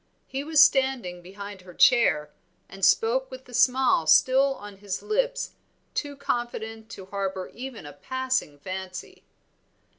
He was standing behind her chair, and spoke with the smile still on his lips, too confident to harbor even a passing fancy.